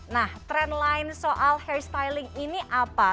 nah tren lain soal hair styling ini apa